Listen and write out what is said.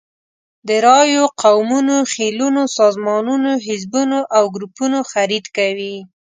د رایو، قومونو، خېلونو، سازمانونو، حزبونو او ګروپونو خرید کوي.